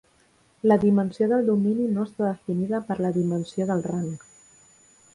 La dimensió del domini no està definida per la dimensió del rang.